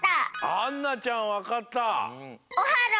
あんなちゃんわかった？